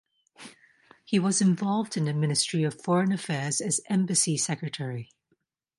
He was involved in the Ministry of Foreign Affairs as an embassy secretary.